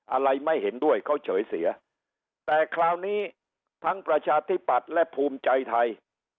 อะไรไม่เห็นด้วยเขาเฉยเสียแต่คราวนี้ทั้งประชาธิปัตย์และภูมิใจไทย